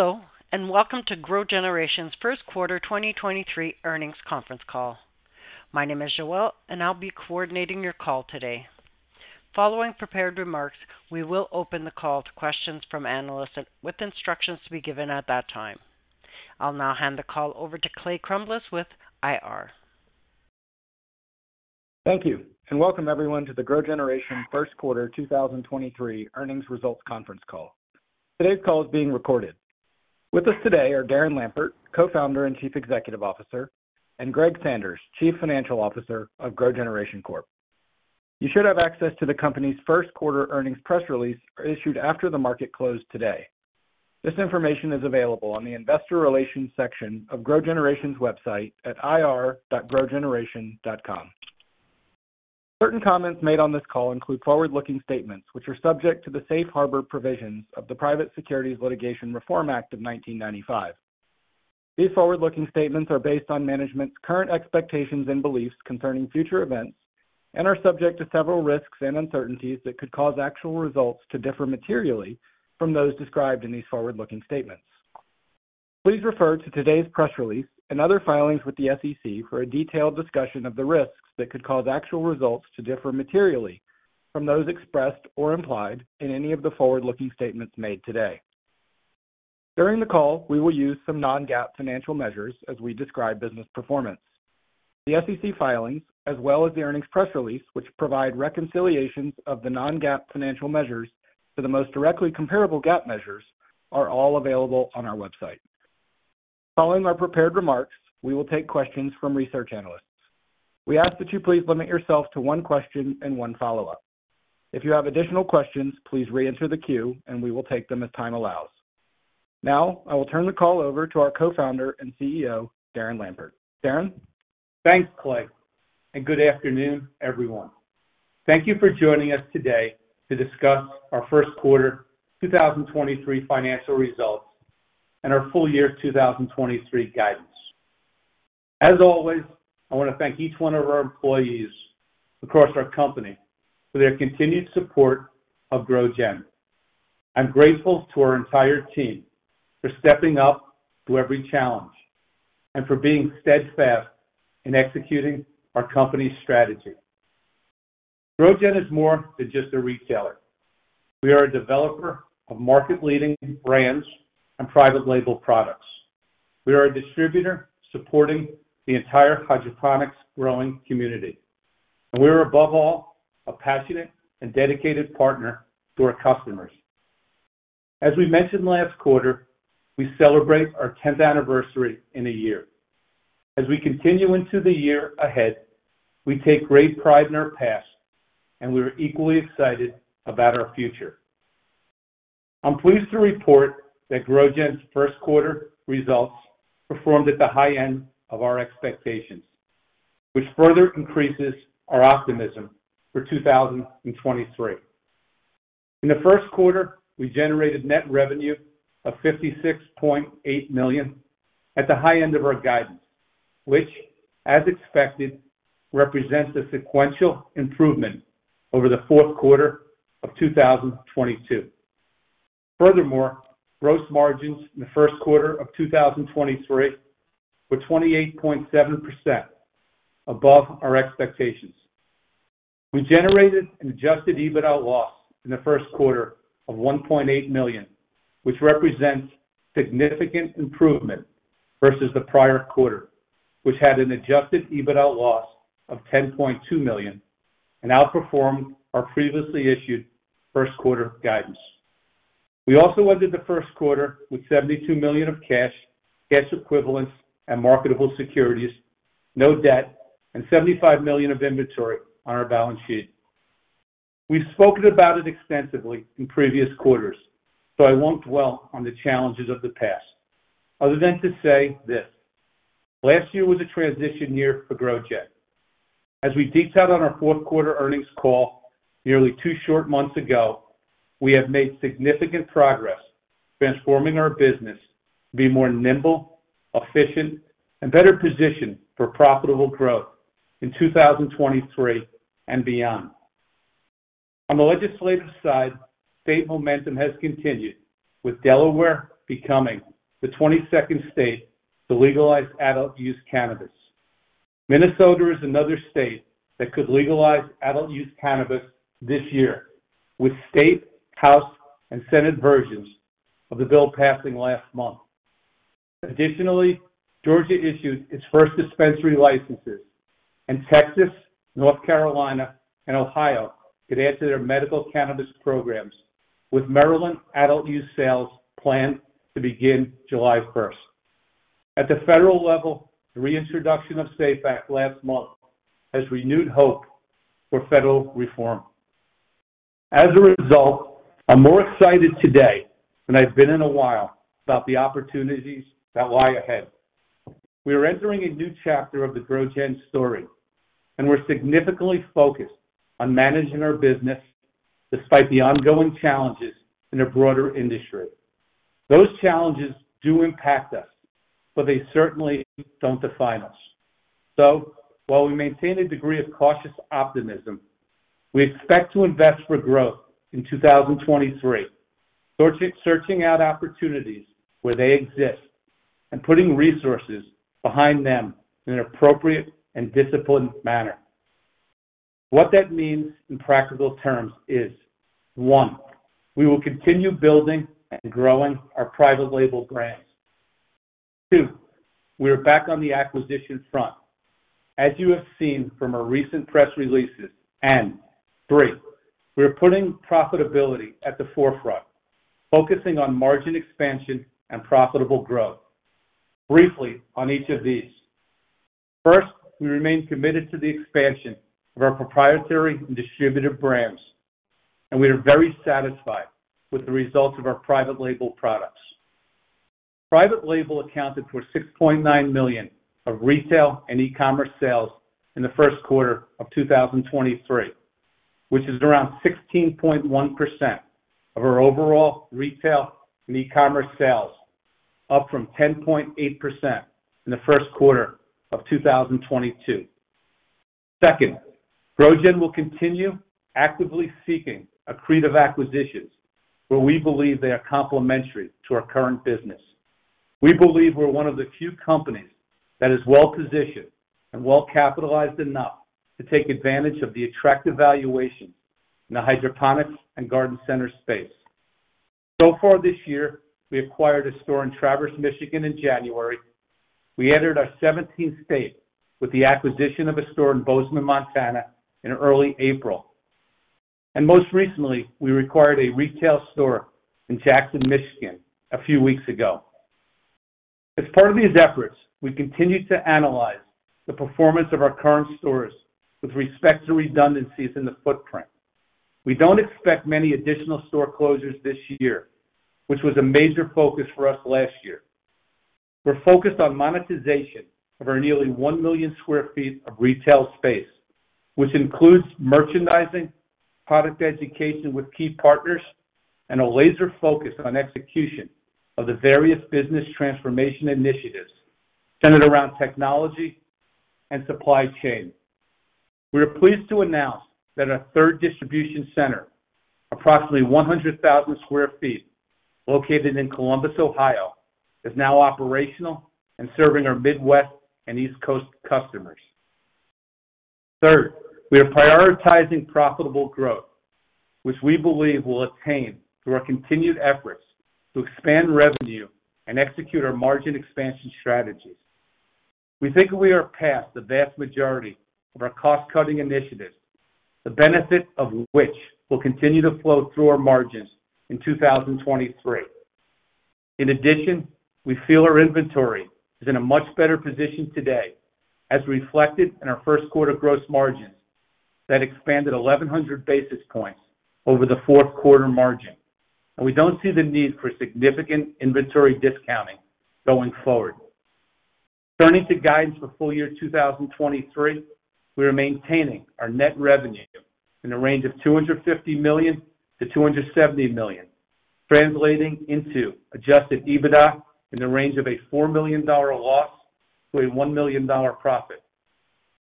Hello, and welcome to GrowGeneration's first quarter 2023 earnings conference call. My name is Joelle, and I'll be coordinating your call today. Following prepared remarks, we will open the call to questions from analysts with instructions to be given at that time. I'll now hand the call over to Clay Crumbliss with IR. Thank you. Welcome everyone to the GrowGeneration 1st quarter 2023 earnings results conference call. Today's call is being recorded. With us today are Darren Lampert, Co-Founder and Chief Executive Officer, and Greg Sanders, Chief Financial Officer of GrowGeneration Corp. You should have access to the company's 1st quarter earnings press release issued after the market closed today. This information is available on the investor relations section of GrowGeneration's website at ir.growgeneration.com. Certain comments made on this call include forward-looking statements, which are subject to the safe harbor provisions of the Private Securities Litigation Reform Act of 1995. These forward-looking statements are based on management's current expectations and beliefs concerning future events and are subject to several risks and uncertainties that could cause actual results to differ materially from those described in these forward-looking statements. Please refer to today's press release and other filings with the SEC for a detailed discussion of the risks that could cause actual results to differ materially from those expressed or implied in any of the forward-looking statements made today. During the call, we will use some non-GAAP financial measures as we describe business performance. The SEC filings, as well as the earnings press release, which provide reconciliations of the non-GAAP financial measures to the most directly comparable GAAP measures, are all available on our website. Following our prepared remarks, we will take questions from research analysts. We ask that you please limit yourself to one question and one follow-up. If you have additional questions, please reenter the queue, and we will take them as time allows. Now, I will turn the call over to our Co-Founder and CEO, Darren Lampert. Darren? Thanks, Clay, and good afternoon, everyone. Thank you for joining us today to discuss our first quarter 2023 financial results and our full year 2023 guidance. As always, I want to thank each one of our employees across our company for their continued support of GrowGen. I'm grateful to our entire team for stepping up to every challenge and for being steadfast in executing our company's strategy. GrowGen is more than just a retailer. We are a developer of market-leading brands and private label products. We are a distributor supporting the entire hydroponics growing community. We are, above all, a passionate and dedicated partner to our customers. As we mentioned last quarter, we celebrate our 10th anniversary in a year. As we continue into the year ahead, we take great pride in our past, and we are equally excited about our future. I'm pleased to report that GrowGen's first quarter results performed at the high end of our expectations, which further increases our optimism for 2023. In the first quarter, we generated net revenue of $56.8 million at the high end of our guidance, which, as expected, represents a sequential improvement over the fourth quarter of 2022. Gross margins in the first quarter of 2023 were 28.7% above our expectations. We generated an adjusted EBITDA loss in the first quarter of $1.8 million, which represents significant improvement versus the prior quarter, which had an adjusted EBITDA loss of $10.2 million and outperformed our previously issued first quarter guidance. We also ended the first quarter with $72 million of cash equivalents, and marketable securities, no debt, and $75 million of inventory on our balance sheet. We've spoken about it extensively in previous quarters, so I won't dwell on the challenges of the past other than to say this. Last year was a transition year for GrowGen. As we detailed on our fourth quarter earnings call nearly two short months ago, we have made significant progress transforming our business to be more nimble, efficient, and better positioned for profitable growth in 2023 and beyond. On the legislative side, state momentum has continued, with Delaware becoming the 22nd state to legalize adult use cannabis. Minnesota is another state that could legalize adult use cannabis this year, with State House and Senate versions of the bill passing last month. Georgia issued its first dispensary licenses, and Texas, North Carolina, and Ohio could enter their medical cannabis programs, with Maryland adult use sales planned to begin July 1st. At the federal level, the reintroduction of SAFE Act last month has renewed hope for federal reform. As a result, I'm more excited today than I've been in a while about the opportunities that lie ahead. We are entering a new chapter of the GrowGen story, and we're significantly focused on managing our business despite the ongoing challenges in a broader industry. Those challenges do impact us, but they certainly don't define us. While we maintain a degree of cautious optimism, we expect to invest for growth in 2023. Searching out opportunities where they exist and putting resources behind them in an appropriate and disciplined manner. What that means in practical terms is, one, we will continue building and growing our private label brands. Two, we are back on the acquisition front, as you have seen from our recent press releases. Three, we are putting profitability at the forefront, focusing on margin expansion and profitable growth. Briefly on each of these. 1st, we remain committed to the expansion of our proprietary and distributor brands, and we are very satisfied with the results of our private label products. Private label accounted for $69 million of retail and e-commerce sales in the 1st quarter of 2023, which is around 16.1% of our overall retail and e-commerce sales, up from 10.8% in the 1st quarter of 2022. 2nd, GrowGen will continue actively seeking accretive acquisitions where we believe they are complementary to our current business. We believe we're one of the few companies that is well-positioned and well-capitalized enough to take advantage of the attractive valuation in the hydroponics and garden center space. Far this year, we acquired a store in Traverse City, Michigan in January. We entered our 17th state with the acquisition of a store in Bozeman, Montana in early April. Most recently, we acquired a retail store in Jackson, Michigan a few weeks ago. As part of these efforts, we continue to analyze the performance of our current stores with respect to redundancies in the footprint. We don't expect many additional store closures this year, which was a major focus for us last year. We're focused on monetization of our nearly 1 million sq ft of retail space, which includes merchandising, product education with key partners, and a laser focus on execution of the various business transformation initiatives centered around technology and supply chain. We are pleased to announce that our third distribution center, approximately 100,000 sq ft, located in Columbus, Ohio, is now operational and serving our Midwest and East Coast customers. Third, we are prioritizing profitable growth, which we believe we'll attain through our continued efforts to expand revenue and execute our margin expansion strategies. We think we are past the vast majority of our cost-cutting initiatives, the benefit of which will continue to flow through our margins in 2023. In addition, we feel our inventory is in a much better position today, as reflected in our first quarter gross margins that expanded 1,100 basis points over the fourth quarter margin. We don't see the need for significant inventory discounting going forward. Turning to guidance for full year 2023, we are maintaining our net revenue in the range of $250 million-$270 million, translating into adjusted EBITDA in the range of a $4 million loss to a $1 million profit.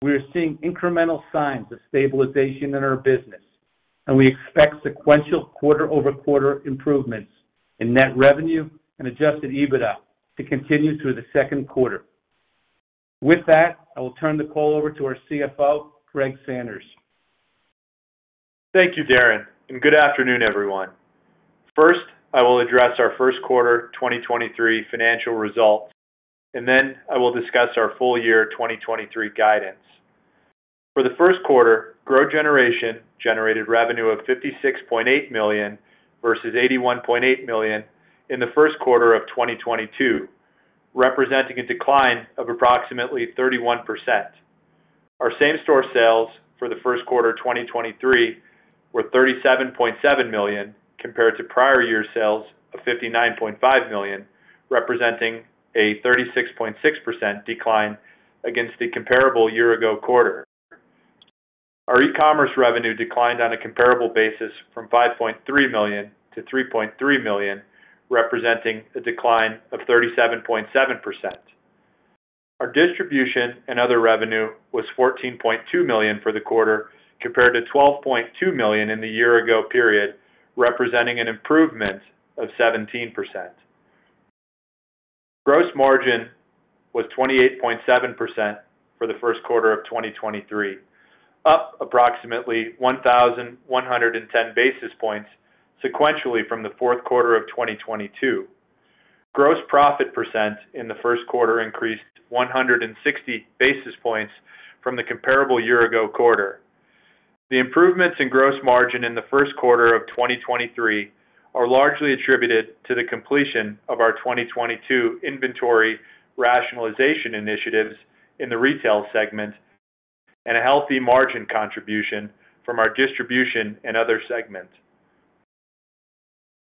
We are seeing incremental signs of stabilization in our business, and we expect sequential quarter-over-quarter improvements in net revenue and adjusted EBITDA to continue through the second quarter. With that, I will turn the call over to our CFO, Greg Sanders. Thank you, Darren, and good afternoon, everyone. First, I will address our first quarter 2023 financial results, and then I will discuss our full year 2023 guidance. For the first quarter, GrowGeneration generated revenue of $56.8 million versus $81.8 million in the first quarter of 2022, representing a decline of approximately 31%. Our same-store sales for the first quarter 2023 were $37.7 million compared to prior year sales of $59.5 million, representing a 36.6% decline against the comparable year ago quarter. Our e-commerce revenue declined on a comparable basis from $5.3 million to $3.3 million, representing a decline of 37.7%. Our distribution and other revenue was $14.2 million for the quarter, compared to $12.2 million in the year-ago period, representing an improvement of 17%. Gross margin was 28.7% for the first quarter of 2023, up approximately 1,110 basis points sequentially from the fourth quarter of 2022. Gross profit % in the first quarter increased 160 basis points from the comparable year-ago quarter. The improvements in gross margin in the first quarter of 2023 are largely attributed to the completion of our 2022 inventory rationalization initiatives in the retail segment and a healthy margin contribution from our distribution and other segments.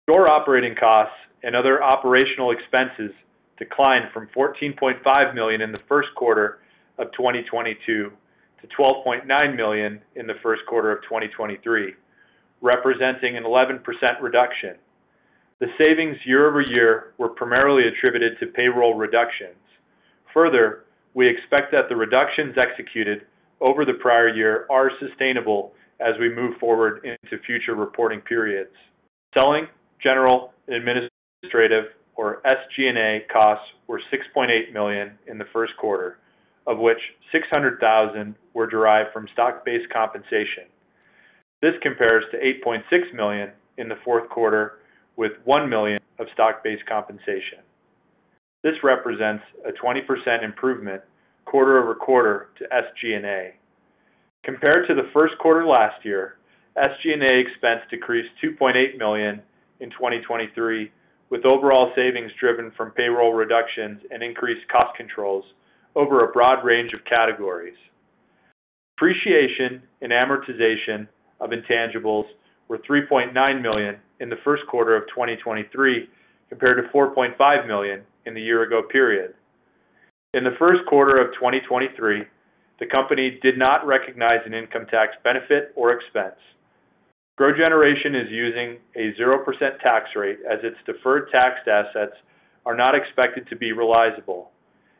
Store operating costs and other operational expenses declined from $14.5 million in the first quarter of 2022 to $12.9 million in the first quarter of 2023, representing an 11% reduction. The savings year-over-year were primarily attributed to payroll reductions. We expect that the reductions executed over the prior year are sustainable as we move forward into future reporting periods. Selling, general, and administrative or SG&A costs were $6.8 million in the first quarter, of which $600,000 were derived from stock-based compensation. This compares to $8.6 million in the fourth quarter with $1 million of stock-based compensation. This represents a 20% improvement quarter-over-quarter to SG&A. Compared to the first quarter last year, SG&A expense decreased $2.8 million in 2023, with overall savings driven from payroll reductions and increased cost controls over a broad range of categories. Depreciation and amortization of intangibles were $3.9 million in the first quarter of 2023, compared to $4.5 million in the year ago period. In the first quarter of 2023, the company did not recognize an income tax benefit or expense. GrowGeneration is using a 0% tax rate as its deferred tax assets are not expected to be realizable.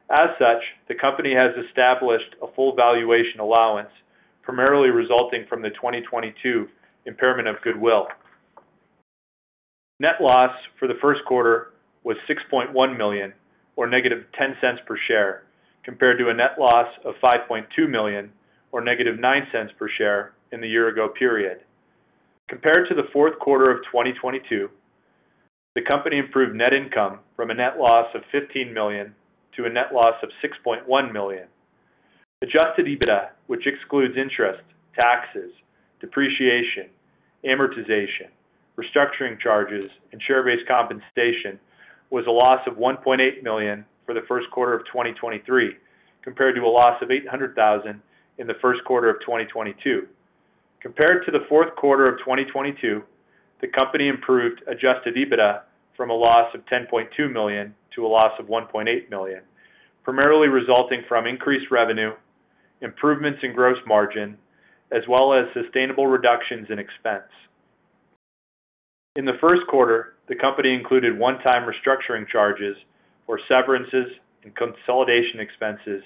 As such, the company has established a full valuation allowance, primarily resulting from the 2022 impairment of goodwill. Net loss for the first quarter was $6.1 million or -$0.10 per share, compared to a net loss of $5.2 million or -$0.09 per share in the year ago period. Compared to the fourth quarter of 2022, the company improved net income from a net loss of $15 million to a net loss of $6.1 million. Adjusted EBITDA, which excludes interest, taxes, depreciation, amortization, restructuring charges, and share-based compensation, was a loss of $1.8 million for the first quarter of 2023, compared to a loss of $800,000 in the first quarter of 2022. Compared to the fourth quarter of 2022, the company improved adjusted EBITDA from a loss of $10.2 million to a loss of $1.8 million, primarily resulting from increased revenue, improvements in gross margin, as well as sustainable reductions in expense. In the first quarter, the company included one-time restructuring charges or severances and consolidation expenses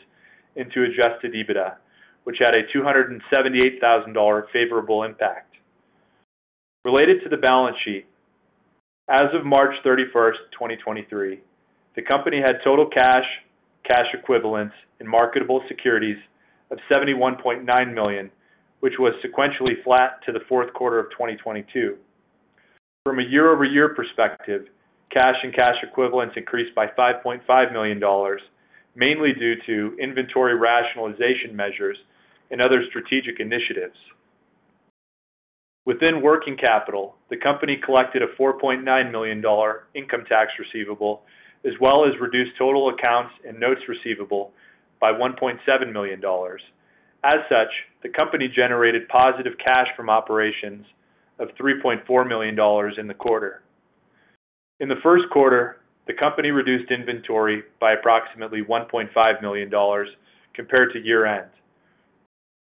into adjusted EBITDA, which had a $278,000 favorable impact. Related to the balance sheet, as of March 31st, 2023, the company had total cash equivalents, and marketable securities of $71.9 million, which was sequentially flat to the fourth quarter of 2022. From a year-over-year perspective, cash and cash equivalents increased by $5.5 million, mainly due to inventory rationalization measures and other strategic initiatives. Within working capital, the company collected a $4.9 million income tax receivable, as well as reduced total accounts and notes receivable by $1.7 million. As such, the company generated positive cash from operations of $3.4 million in the quarter. In the first quarter, the company reduced inventory by approximately $1.5 million compared to year-end.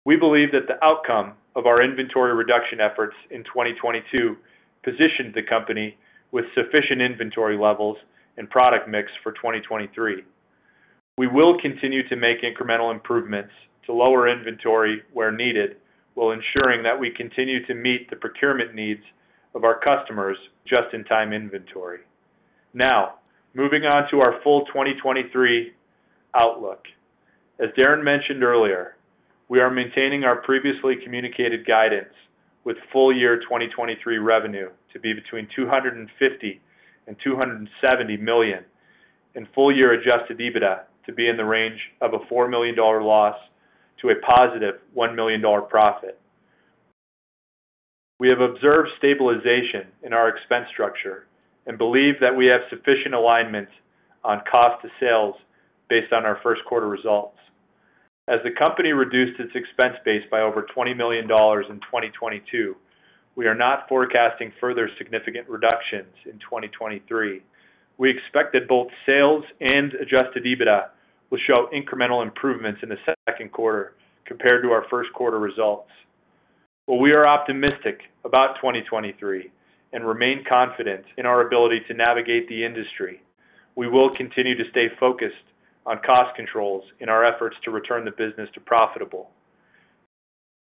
We believe that the outcome of our inventory reduction efforts in 2022 positioned the company with sufficient inventory levels and product mix for 2023. We will continue to make incremental improvements to lower inventory where needed while ensuring that we continue to meet the procurement needs of our customers just-in-time inventory. Now, moving on to our full 2023 outlook. As Darren mentioned earlier, we are maintaining our previously communicated guidance with full year 2023 revenue to be between $250 million and $270 million, and full year adjusted EBITDA to be in the range of a $4 million loss to a positive $1 million profit. We have observed stabilization in our expense structure and believe that we have sufficient alignment on cost to sales based on our first quarter results. As the company reduced its expense base by over $20 million in 2022, we are not forecasting further significant reductions in 2023. We expect that both sales and adjusted EBITDA will show incremental improvements in the second quarter compared to our first quarter results. While we are optimistic about 2023 and remain confident in our ability to navigate the industry, we will continue to stay focused on cost controls in our efforts to return the business to profitable.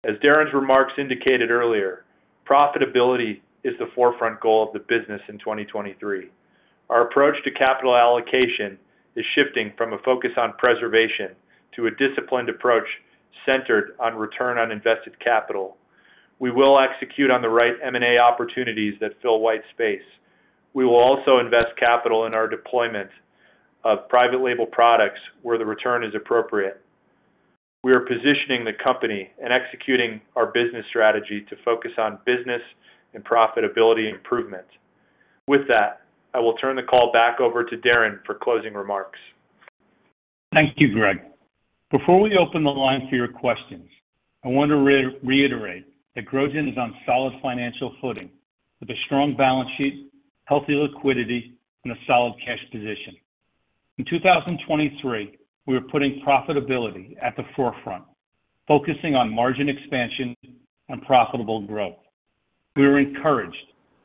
As Darren's remarks indicated earlier, profitability is the forefront goal of the business in 2023. Our approach to capital allocation is shifting from a focus on preservation to a disciplined approach centered on return on invested capital. We will execute on the right M&A opportunities that fill white space. We will also invest capital in our deployment of private label products where the return is appropriate. We are positioning the company and executing our business strategy to focus on business and profitability improvement. With that, I will turn the call back over to Darren for closing remarks. Thank you, Greg. Before we open the line for your questions, I want to reiterate that GrowGen is on solid financial footing with a strong balance sheet, healthy liquidity, and a solid cash position. In 2023, we were putting profitability at the forefront, focusing on margin expansion and profitable growth. We are encouraged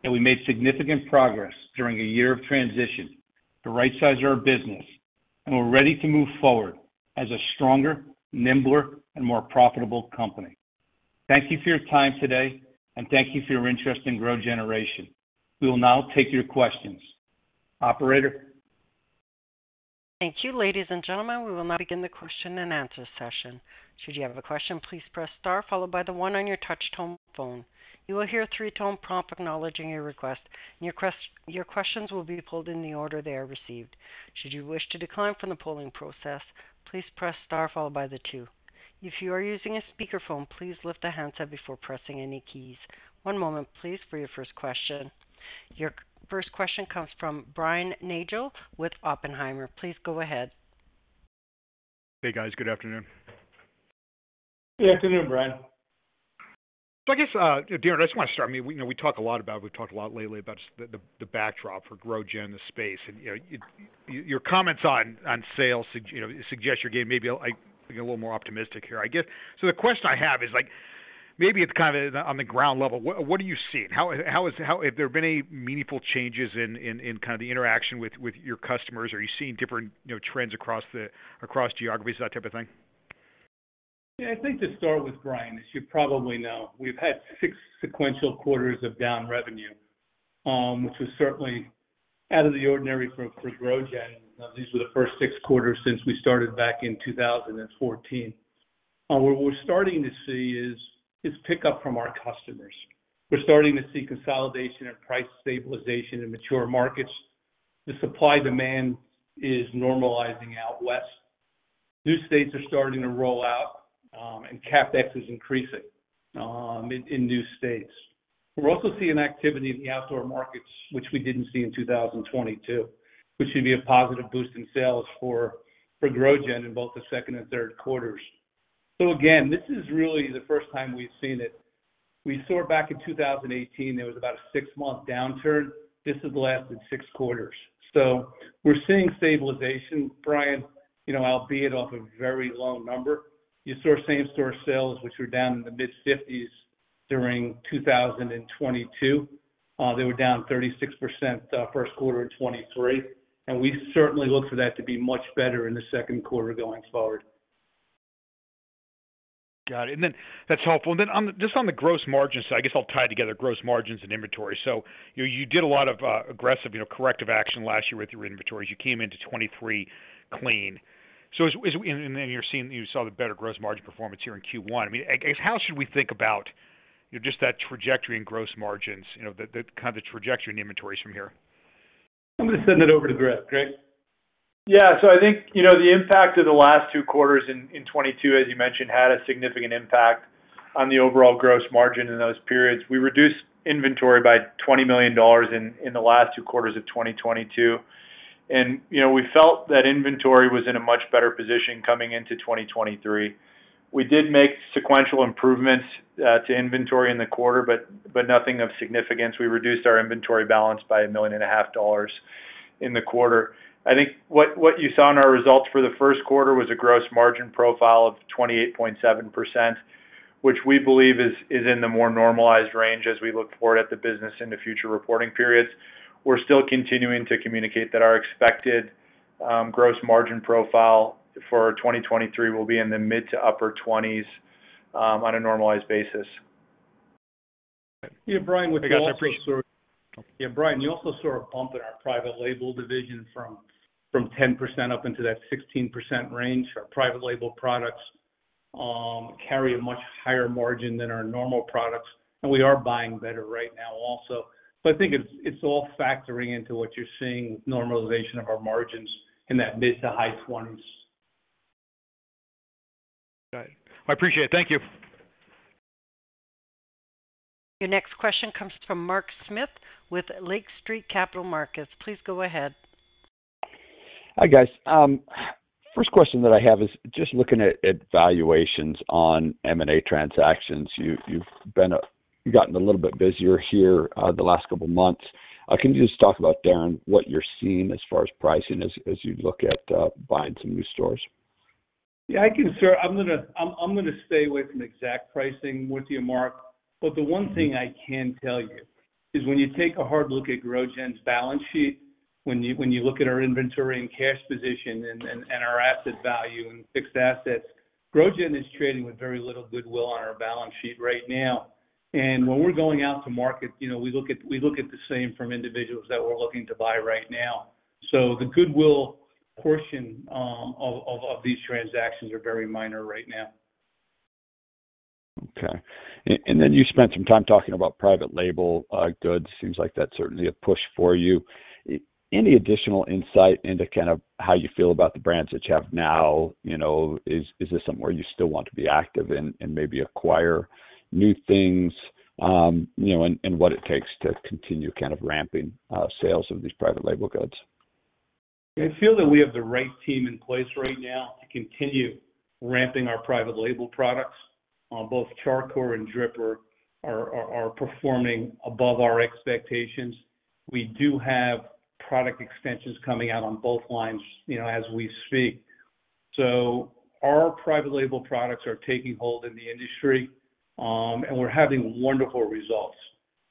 that we made significant progress during a year of transition to rightsize our business, and we're ready to move forward as a stronger, nimbler and more profitable company. Thank you for your time today, and thank you for your interest in GrowGeneration. We will now take your questions. Operator? Thank you. Ladies and gentlemen, we will now begin the question and answer session. Should you have a question, please press star followed by the one on your touch tone phone. You will hear a three-tone prompt acknowledging your request, and your questions will be pulled in the order they are received. Should you wish to decline from the polling process, please press star followed by the two. If you are using a speaker phone, please lift the handset before pressing any keys. One moment please for your first question. Your first question comes from Brian Nagel with Oppenheimer. Please go ahead. Hey, guys. Good afternoon. Good afternoon, Brian. I guess, Darren, I just wanna start. I mean, you know, we've talked a lot lately about the backdrop for GrowGen, the space and, you know, your comments on sales, you know, suggest you're getting maybe, like, a little more optimistic here, I guess. The question I have is, like, maybe it's kind of on the ground level, what are you seeing? How have there been any meaningful changes in kind of the interaction with your customers? Are you seeing different, you know, trends across geographies, that type of thing? I think to start with, Brian, as you probably know, we've had 6 sequential quarters of down revenue, which was certainly out of the ordinary for GrowGen. These were the first six quarters since we started back in 2014. What we're starting to see is pickup from our customers. We're starting to see consolidation and price stabilization in mature markets. The supply-demand is normalizing out west. New states are starting to roll out. CapEx is increasing in new states. We're also seeing activity in the outdoor markets, which we didn't see in 2022, which should be a positive boost in sales for GrowGen in both the second and third quarters. Again, this is really the first time we've seen it. We saw it back in 2018, there was about a six-month downturn. This has lasted six quarters. We're seeing stabilization, Brian, you know, albeit off a very low number. You saw same-store sales, which were down in the mid-fifties during 2022. They were down 36%, first quarter in 2023, we certainly look for that to be much better in the second quarter going forward. Got it. That's helpful. Just on the gross margins, I guess I'll tie together gross margins and inventory. You did a lot of aggressive, you know, corrective action last year with your inventories. You came into 2023 clean. You saw the better gross margin performance here in Q1. I mean, like, how should we think about just that trajectory in gross margins, you know, the kind of the trajectory in inventories from here? I'm gonna send that over to Greg. Greg? Yeah. I think, you know, the impact of the last two quarters in 2022, as you mentioned, had a significant impact on the overall gross margin in those periods. We reduced inventory by $20 million in the last two quarters of 2022. You know, we felt that inventory was in a much better position coming into 2023. We did make sequential improvements to inventory in the quarter, but nothing of significance. We reduced our inventory balance by a million and a half dollars in the quarter. I think what you saw in our results for the first quarter was a gross margin profile of 28.7%, which we believe is in the more normalized range as we look forward at the business in the future reporting periods. We're still continuing to communicate that our expected gross margin profile for 2023 will be in the mid to upper 20s% on a normalized basis. Yeah, Brian, we also. I got that for you. Yeah, Brian, you also saw a bump in our private label division from 10% up into that 16% range. Our private label products carry a much higher margin than our normal products, and we are buying better right now also. I think it's all factoring into what you're seeing with normalization of our margins in that mid to high 20s. Got it. I appreciate it. Thank you. Your next question comes from Mark Smith with Lake Street Capital Markets. Please go ahead. Hi, guys. First question that I have is just looking at valuations on M&A transactions. You've gotten a little bit busier here, the last couple months. Can you just talk about, Darren, what you're seeing as far as pricing as you look at buying some new stores? Yeah, I can, sir. I'm gonna stay away from exact pricing with you, Mark. The one thing I can tell you is when you take a hard look at GrowGen's balance sheet, when you, when you look at our inventory and cash position and our asset value and fixed assets, GrowGen is trading with very little goodwill on our balance sheet right now. When we're going out to market, you know, we look at the same from individuals that we're looking to buy right now. The goodwill portion of these transactions are very minor right now. Okay. Then you spent some time talking about private label goods. Seems like that's certainly a push for you. Any additional insight into kind of how you feel about the brands that you have now, you know. Is this something where you still want to be active and maybe acquire new things? You know, what it takes to continue kind of ramping sales of these private label goods. I feel that we have the right team in place right now to continue ramping our private label products. On both Char Coir and Drip Hydro are performing above our expectations. We do have product extensions coming out on both lines, you know, as we speak. Our private label products are taking hold in the industry, and we're having wonderful results.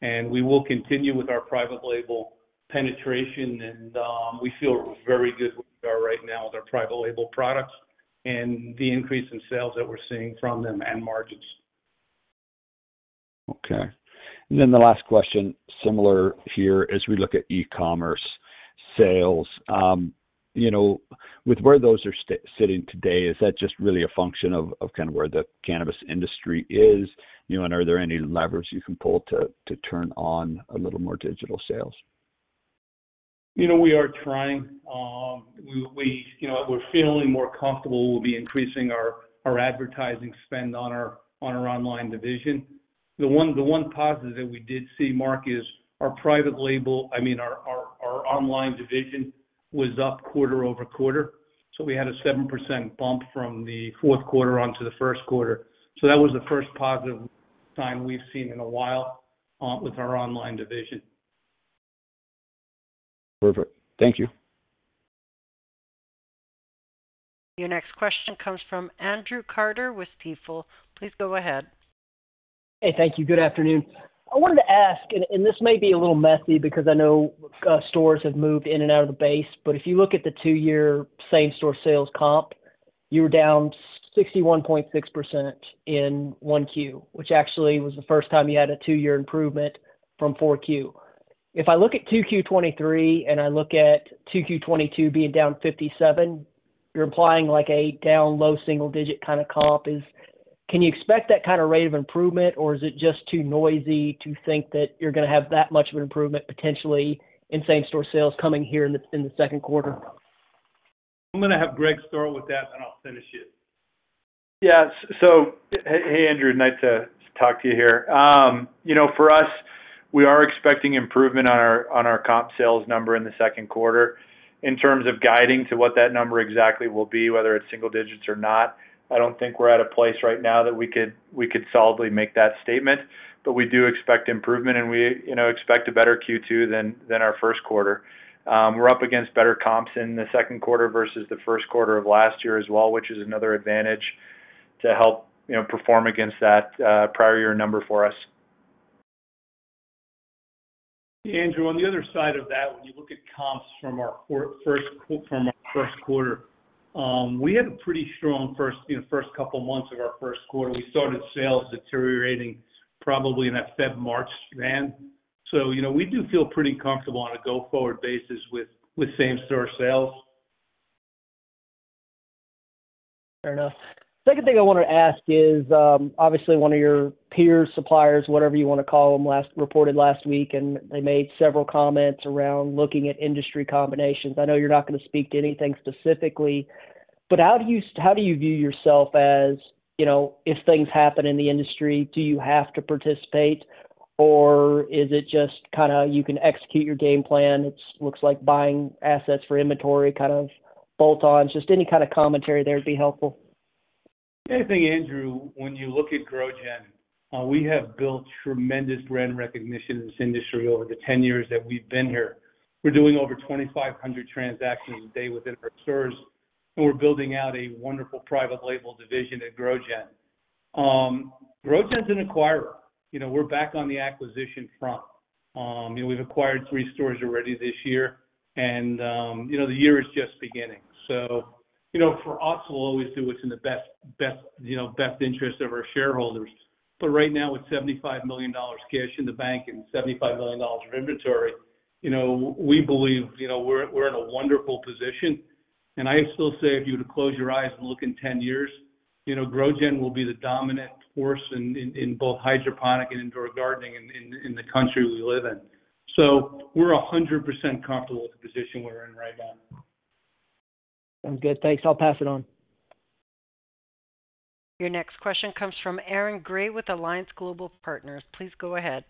We will continue with our private label penetration and, we feel very good where we are right now with our private label products and the increase in sales that we're seeing from them and margins. Okay. The last question, similar here as we look at e-commerce sales. You know, with where those are sitting today, is that just really a function of kind of where the cannabis industry is? You know, are there any levers you can pull to turn on a little more digital sales? You know, we are trying. We, you know, we're feeling more comfortable. We'll be increasing our advertising spend on our online division. The one positive that we did see, Mark, is our private label... I mean, our online division was up quarter-over-quarter. We had a 7% bump from the fourth quarter onto the first quarter. That was the first positive sign we've seen in a while with our online division. Perfect. Thank you. Your next question comes from Andrew Carter with Stifel. Please go ahead. Hey, thank you. Good afternoon. I wanted to ask, and this may be a little messy because I know stores have moved in and out of the base, but if you look at the two-year same-store sales comp, you were down 61.6% in 1Q, which actually was the first time you had a two-year improvement from 4Q. If I look at 2Q 2023 and I look at 2Q 2022 being down 57, you're implying like a down low single-digit kind of comp is. Can you expect that kind of rate of improvement, or is it just too noisy to think that you're gonna have that much of an improvement potentially in same-store sales coming here in the, in the second quarter? I'm gonna have Greg start with that, then I'll finish it. Hey Andrew, nice to talk to you here. You know, for us, we are expecting improvement on our comp sales number in the second quarter. In terms of guiding to what that number exactly will be, whether it's single digits or not, I don't think we're at a place right now that we could solidly make that statement. We do expect improvement and we, you know, expect a better Q2 than our first quarter. We're up against better comps in the second quarter versus the first quarter of last year as well, which is another advantage to help, you know, perform against that prior year number for us. Andrew, on the other side of that, when you look at comps from our first quarter, we had a pretty strong first, you know, first couple of months of our first quarter. We started sales deteriorating probably in that Feb/March span. You know, we do feel pretty comfortable on a go-forward basis with same-store sales. Fair enough. Second thing I wanted to ask is, obviously one of your peer suppliers, whatever you wanna call them, reported last week. They made several comments around looking at industry combinations. I know you're not gonna speak to anything specifically, but how do you view yourself as, you know, if things happen in the industry, do you have to participate or is it just kinda you can execute your game plan? It's looks like buying assets for inventory kind of bolt-ons. Just any kind of commentary there would be helpful. I think, Andrew, when you look at GrowGen, we have built tremendous brand recognition in this industry over the 10 years that we've been here. We're doing over 2,500 transactions a day within our stores, and we're building out a wonderful private label division at GrowGen. GrowGen's an acquirer. You know, we're back on the acquisition front. You know, we've acquired 3 stores already this year and, you know, the year is just beginning. You know, for us, we'll always do what's in the best, you know, best interest of our shareholders. Right now, with $75 million cash in the bank and $75 million of inventory, you know, we believe, you know, we're in a wonderful position. I still say if you were to close your eyes and look in 10 years, you know, GrowGen will be the dominant force in both hydroponic and indoor gardening in the country we live in. We're 100% comfortable with the position we're in right now. Sounds good. Thanks. I'll pass it on. Your next question comes from Aaron Grey with Alliance Global Partners. Please go ahead.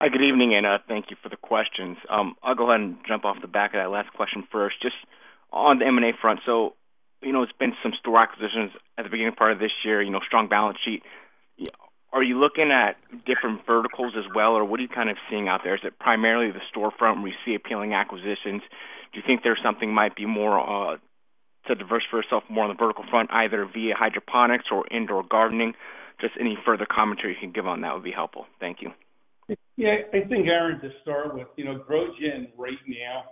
Hi, good evening, thank you for the questions. I'll go ahead and jump off the back of that last question first. Just on the M&A front. You know, it's been some store acquisitions at the beginning part of this year, you know, strong balance sheet. Are you looking at different verticals as well, or what are you kind of seeing out there? Is it primarily the storefront where you see appealing acquisitions? Do you think there's something might be more to diverse for yourself more on the vertical front, either via hydroponics or indoor gardening? Just any further commentary you can give on that would be helpful. Thank you. Yeah. I think, Aaron, to start with, you know, GrowGen right now,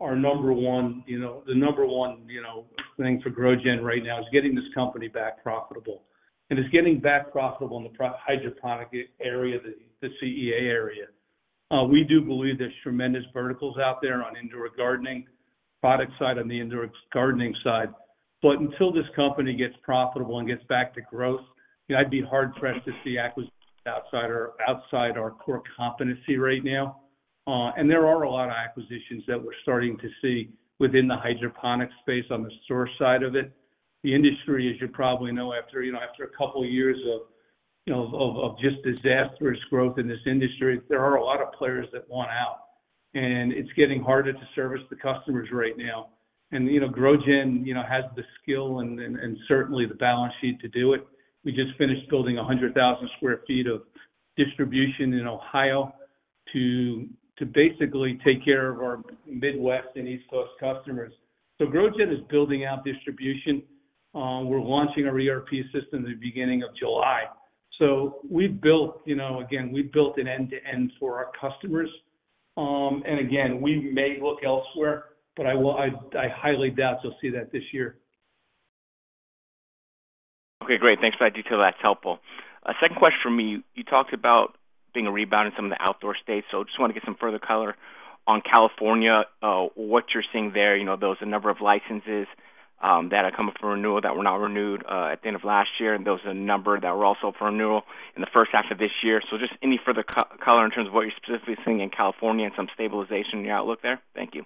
our number one, you know, the number one, you know, thing for GrowGen right now is getting this company back profitable. It's getting back profitable in the hydroponic area, the CEA area. We do believe there's tremendous verticals out there on indoor gardening, product side on the indoor gardening side. Until this company gets profitable and gets back to growth, you know, I'd be hard-pressed to see acquisitions outside our core competency right now. There are a lot of acquisitions that we're starting to see within the hydroponic space on the source side of it. The industry, as you probably know, after, you know, after a couple of years of just disastrous growth in this industry. There are a lot of players that want out. It's getting harder to service the customers right now. You know, GrowGen, you know, has the skill and certainly the balance sheet to do it. We just finished building 100,000 sq ft of distribution in Ohio to basically take care of our Midwest and East Coast customers. GrowGen is building out distribution. We're launching our ERP system in the beginning of July. We've built, you know, again, an end-to-end for our customers. Again, we may look elsewhere, but I highly doubt you'll see that this year. Okay, great. Thanks for that detail. That's helpful. Second question for me, you talked about seeing a rebound in some of the outdoor states. Just want to get some further color on California, what you're seeing there. You know, those, the number of licenses that are coming up for renewal that were not renewed at the end of last year, and those are the number that were also for renewal in the first half of this year. Just any further color in terms of what you're specifically seeing in California and some stabilization in your outlook there? Thank you.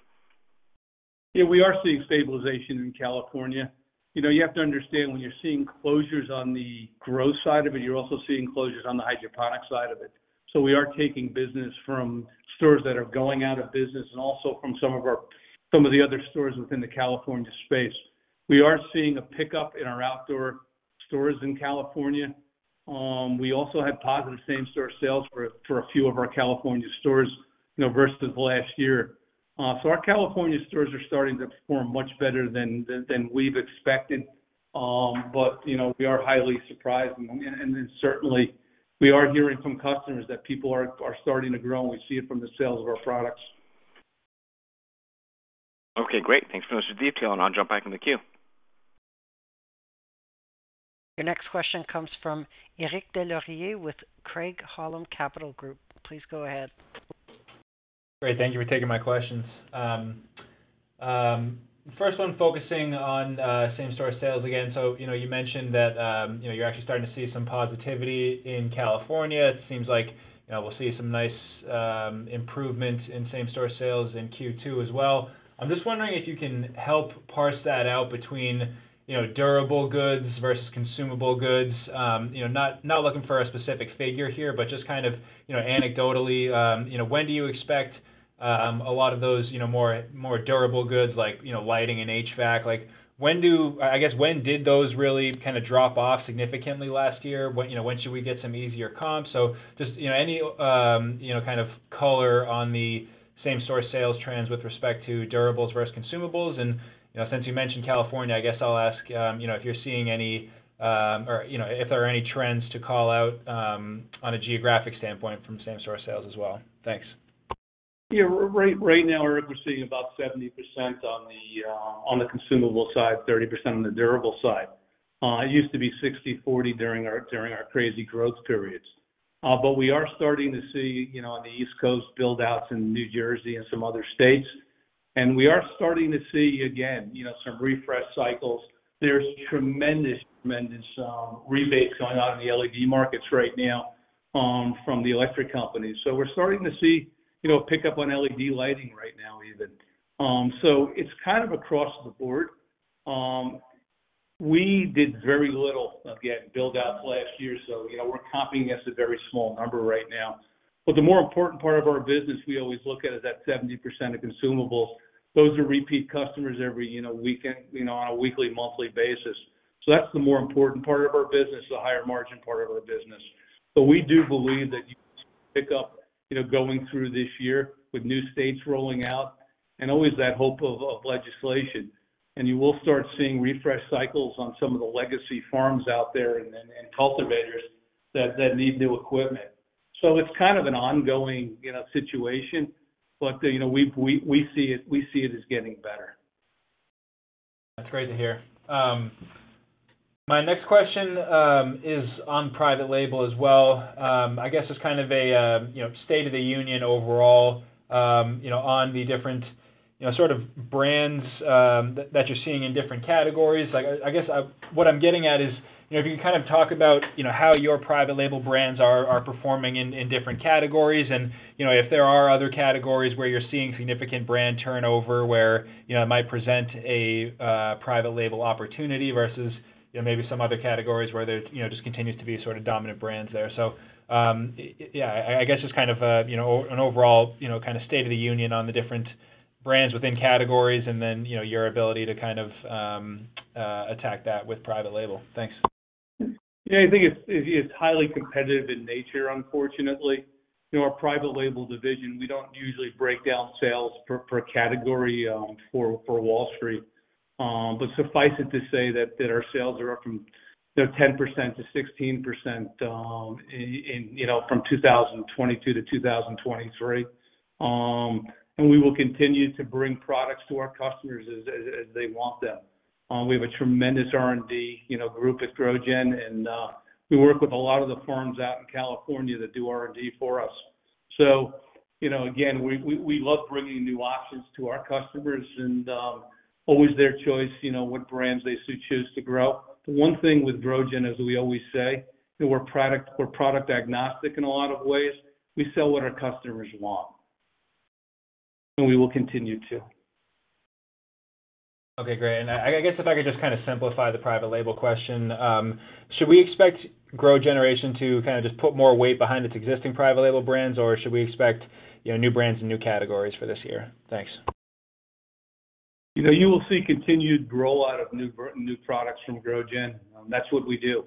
Yeah, we are seeing stabilization in California. You know, you have to understand, when you're seeing closures on the growth side of it, you're also seeing closures on the hydroponic side of it. We are taking business from stores that are going out of business and also from some of the other stores within the California space. We are seeing a pickup in our outdoor stores in California. We also had positive same-store sales for a few of our California stores, you know, versus last year. Our California stores are starting to perform much better than we've expected. You know, we are highly surprised. Certainly we are hearing from customers that people are starting to grow, and we see it from the sales of our products. Okay, great. Thanks so much for the detail, and I'll jump back in the queue. Your next question comes from Eric Des Lauriers with Craig-Hallum Capital Group. Please go ahead. Great. Thank you for taking my questions. First one focusing on same-store sales again. You know, you mentioned that, you know, you're actually starting to see some positivity in California. It seems like, you know, we'll see some nice improvements in same-store sales in Q2 as well. I'm just wondering if you can help parse that out between, you know, durable goods versus consumable goods. You know, not looking for a specific figure here, but just kind of, you know, anecdotally, you know, when do you expect a lot of those, you know, more, more durable goods like, you know, lighting and HVAC? When did those really kind of drop off significantly last year? When, you know, when should we get some easier comps? Just, you know, any, you know, kind of color on the same-store sales trends with respect to durables versus consumables. You know, since you mentioned California, I guess I'll ask, you know, if you're seeing any, or, you know, if there are any trends to call out, on a geographic standpoint from same-store sales as well. Thanks. Yeah. Right now, Eric, we're seeing about 70% on the consumable side, 30% on the durable side. It used to be 60/40 during our crazy growth periods. We are starting to see, you know, on the East Coast, build-outs in New Jersey and some other states. We are starting to see, again, you know, some refresh cycles. There's tremendous rebates going on in the LED markets right now from the electric companies. We're starting to see, you know, pickup on LED lighting right now even. It's kind of across the board. We did very little of getting build-outs last year, you know, we're comping against a very small number right now. The more important part of our business we always look at is that 70% of consumables. Those are repeat customers every, you know, week, you know, on a weekly, monthly basis. That's the more important part of our business, the higher margin part of our business. We do believe that you pick up, you know, going through this year with new states rolling out and always that hope of legislation, and you will start seeing refresh cycles on some of the legacy farms out there and cultivators that need new equipment. It's kind of an ongoing, you know, situation, but, you know, we, we see it, we see it as getting better. That's great to hear. My next question is on private label as well. I guess it's kind of a, you know, state of the union overall, you know, on the different, you know, sort of brands that you're seeing in different categories. Like, I guess what I'm getting at is, you know, if you can kind of talk about, you know, how your private label brands are performing in different categories and, you know, if there are other categories where you're seeing significant brand turnover where, you know, it might present a private label opportunity versus, you know, maybe some other categories where there, you know, just continues to be sort of dominant brands there. Yeah, I guess just kind of a, you know, an overall, you know, kind of state of the union on the different brands within categories and then, you know, your ability to kind of, attack that with private label. Thanks. Yeah. I think it's highly competitive in nature, unfortunately. You know, our private label division, we don't usually break down sales per category for Wall Street. Suffice it to say that our sales are up from, you know, 10% to 16% in, you know, from 2022 to 2023. We will continue to bring products to our customers as they want them. We have a tremendous R&D, you know, group at GrowGen, we work with a lot of the farms out in California that do R&D for us. You know, again, we love bringing new options to our customers and always their choice, you know, what brands they choose to grow. The one thing with GrowGen, as we always say, that we're product agnostic in a lot of ways. We sell what our customers want. We will continue to. Okay, great. I guess if I could just kind of simplify the private label question. Should we expect GrowGeneration to kind of just put more weight behind its existing private label brands, or should we expect, you know, new brands and new categories for this year? Thanks. You know, you will see continued grow out of new products from GrowGen. That's what we do.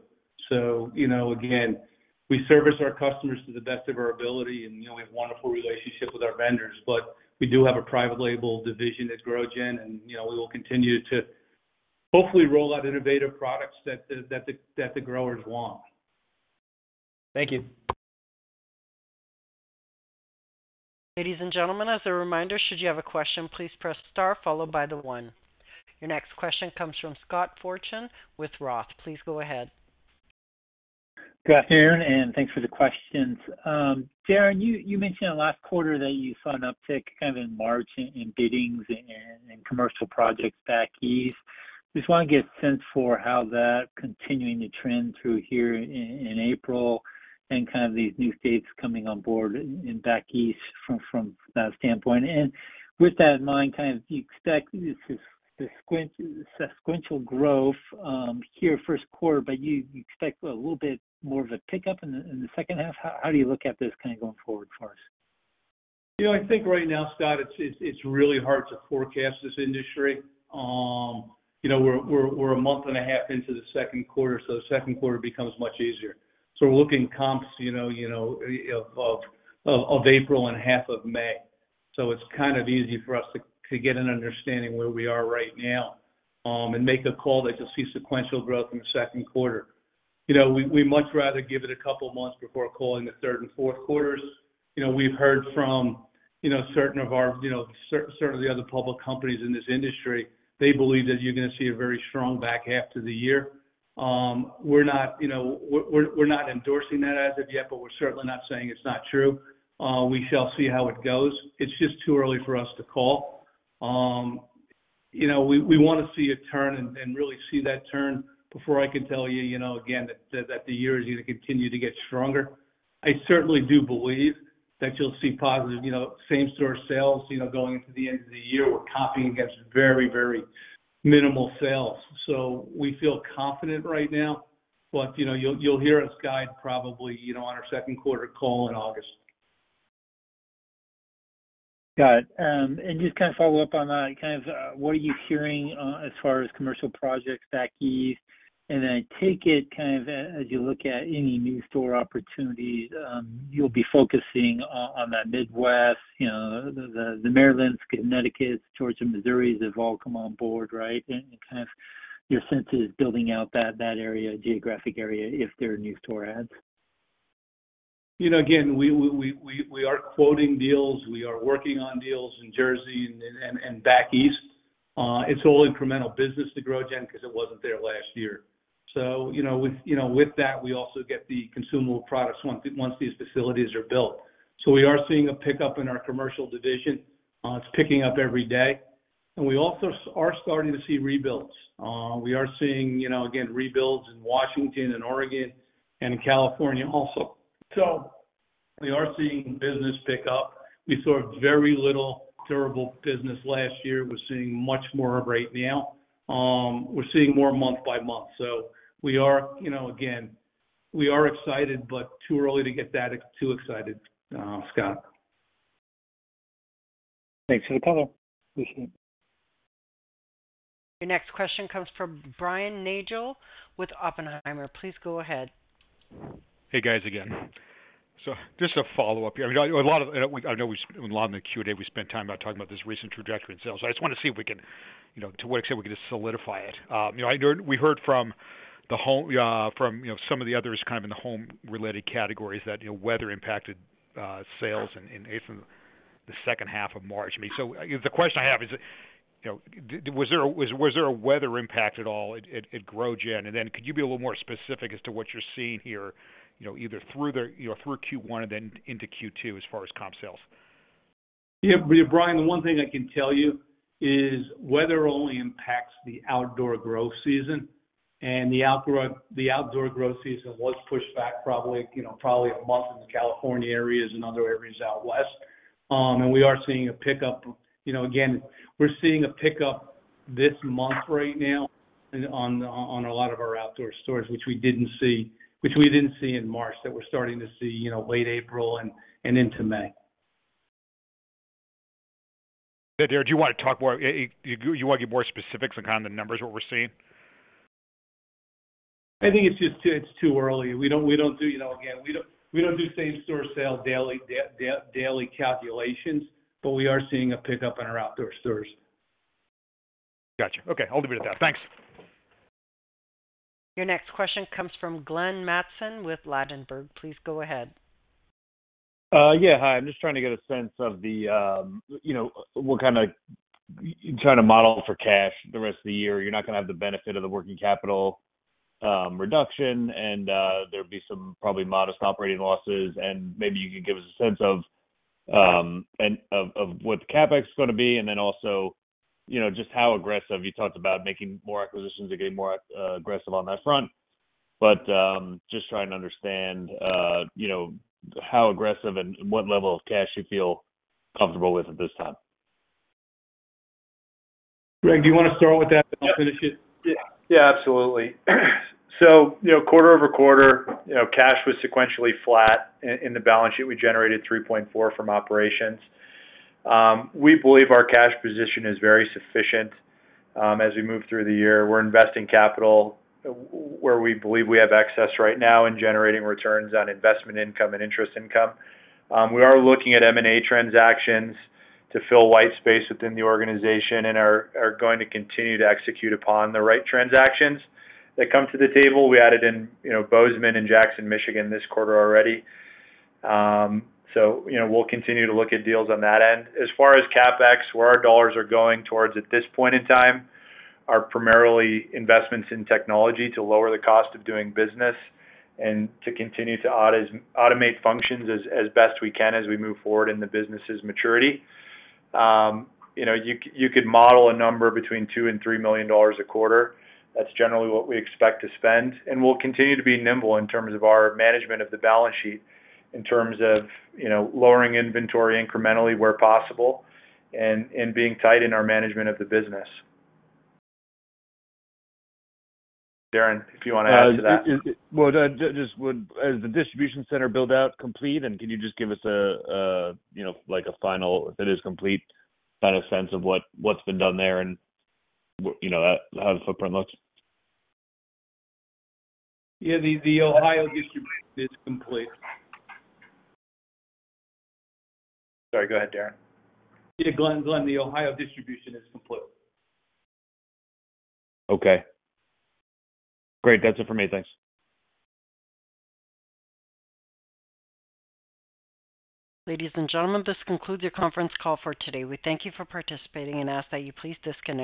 You know, again, we service our customers to the best of our ability, and, you know, we have wonderful relationships with our vendors. We do have a private label division at GrowGen, and, you know, we will continue to hopefully roll out innovative products that the growers want. Thank you. Ladies and gentlemen, as a reminder, should you have a question, please press star followed by the one. Your next question comes from Scott Fortune with Roth. Please go ahead. Got it, Aaron, thanks for the questions. Darren, you mentioned in last quarter that you saw an uptick kind of in March in biddings and in commercial projects back east. Just wanna get a sense for how that continuing to trend through here in April and kind of these new states coming on board in back east from that standpoint. With that in mind, kind of do you expect sequential growth here first quarter, but you expect a little bit more of a pickup in the second half? How do you look at this kind of going forward for us? You know, I think right now, Scott, it's really hard to forecast this industry. You know, we're a month and a half into the second quarter, second quarter becomes much easier. We're looking comps, you know, of April and half of May. It's kind of easy for us to get an understanding where we are right now, and make a call that you'll see sequential growth in the second quarter. You know, we much rather give it a couple months before calling the third and fourth quarters. You know, we've heard from, you know, certain of our, you know, certain of the other public companies in this industry. They believe that you're gonna see a very strong back half to the year. We're not, you know, we're not endorsing that as of yet, but we're certainly not saying it's not true. We shall see how it goes. It's just too early for us to call. You know, we wanna see a turn and really see that turn before I can tell you know, again, that the year is gonna continue to get stronger. I certainly do believe that you'll see positive, you know, same store sales, you know, going into the end of the year. We're copying against very minimal sales. We feel confident right now, but, you know, you'll hear us guide probably, you know, on our second quarter call in August. Got it. Just kind of follow up on that, kind of, what are you hearing, as far as commercial projects back east? Then I take it kind of as you look at any new store opportunities, you'll be focusing on that Midwest, you know, the Maryland, Connecticut, Georgia, Missouri, they've all come on board, right? Kind of your sense is building out that area, geographic area, if there are new store adds. You know, again, we are quoting deals. We are working on deals in Jersey and back east. It's all incremental business to GrowGen 'cause it wasn't there last year. You know, with, you know, with that, we also get the consumable products once these facilities are built. We are seeing a pickup in our commercial division. It's picking up every day. We also are starting to see rebuilds. We are seeing, you know, again, rebuilds in Washington and Oregon and California also. We are seeing business pick up. We saw very little durable business last year. We're seeing much more of right now. We're seeing more month by month. We are, you know, again, we are excited but too early to get that too excited, Scott. Thanks for the color. Appreciate it. Your next question comes from Brian Nagel with Oppenheimer. Please go ahead. Hey, guys, again. Just a follow-up here. I mean, I know a lot in the Q&A, we spent time about talking about this recent trajectory in sales. I just wanna see if we can, you know, to what extent we can just solidify it. you know, I heard we heard from the home, from, you know, some of the others kind of in the home related categories that, you know, weather impacted sales in eighth and the second half of March. I mean, you know, the question I have is, you know, was there a weather impact at all at GrowGen? Could you be a little more specific as to what you're seeing here, you know, either through the, you know, through Q1 and then into Q2 as far as comp sales? Yeah, Brian, the one thing I can tell you is weather only impacts the outdoor growth season, and the outdoor growth season was pushed back probably, you know, probably a month in the California areas and other areas out west. We are seeing a pickup. You know, again, we're seeing a pickup this month right now on a lot of our outdoor stores, which we didn't see in March, that we're starting to see, you know, late April and into May. Darren, do you wanna talk more? Do you wanna give more specifics on kind of the numbers, what we're seeing? I think it's just too, it's too early. We don't, we don't do, you know, again, we don't, we don't do same store sales daily calculations, but we are seeing a pickup in our outdoor stores. Gotcha. Okay. I'll leave it at that. Thanks. Your next question comes from Glenn Mattson with Ladenburg. Please go ahead. Yeah. Hi. I'm just trying to get a sense of the, you know, model for cash the rest of the year. You're not gonna have the benefit of the working capital reduction, and there'd be some probably modest operating losses. Maybe you could give us a sense of what the CapEx is gonna be and then also, you know, just how aggressive? You talked about making more acquisitions and getting more aggressive on that front. Just trying to understand, you know, how aggressive and what level of cash you feel comfortable with at this time. Greg, do you wanna start with that and I'll finish it? Yeah. Yeah, absolutely. you know, quarter-over-quarter, you know, cash was sequentially flat in the balance sheet. We generated $3.4 from operations. We believe our cash position is very sufficient as we move through the year. We're investing capital where we believe we have excess right now and generating returns on investment income and interest income. We are looking at M&A transactions to fill white space within the organization and are going to continue to execute upon the right transactions that come to the table. We added in, you know, Bozeman and Jackson, Michigan this quarter already. you know, we'll continue to look at deals on that end. As far as CapEx, where our dollars are going towards at this point in time are primarily investments in technology to lower the cost of doing business and to continue to automate functions as best we can as we move forward in the business' maturity. You know, you could model a number between $2 million and $3 million a quarter. That's generally what we expect to spend. We'll continue to be nimble in terms of our management of the balance sheet, in terms of, you know, lowering inventory incrementally where possible and being tight in our management of the business. Darren, if you wanna add to that. Well, just, is the distribution center build-out complete, and can you just give us a, you know, like a final, if it is complete, kind of sense of what's been done there and you know, how the footprint looks? Yeah, the Ohio distribution is complete. Sorry, go ahead, Darren. Yeah, Glenn, the Ohio distribution is complete. Okay. Great. That's it for me. Thanks. Ladies and gentlemen, this concludes your conference call for today. We thank you for participating and ask that you please disconnect-